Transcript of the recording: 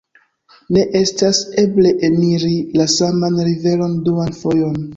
ne estas eble eniri la saman riveron duan fojon.